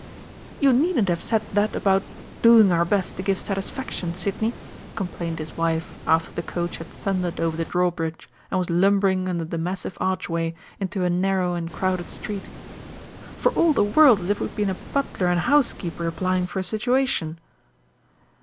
"You needn't have said that about 'doing our best to give satisfaction,' Sidney!" complained his wife after the coach had thundered over the drawbridge, and was lumbering under the massive archway into a narrow and crowded street, "for all the world as if we had been a butler and housekeeper applying for a situation!"